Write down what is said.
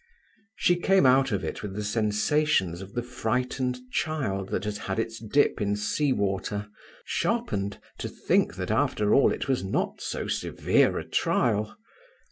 She came out of it with the sensations of the frightened child that has had its dip in sea water, sharpened to think that after all it was not so severe a trial.